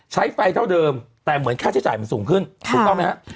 ใช้ไฟเท่าเดิมแต่เหมือนค่าใช้จ่ายมันสูงขึ้นถูกต้องไหมฮะ